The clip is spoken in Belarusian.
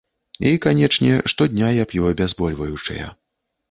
І, канечне, штодня я п'ю абязбольваючыя.